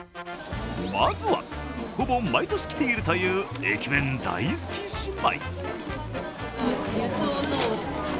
まずは、ほぼ毎年来ているという駅弁大好き姉妹。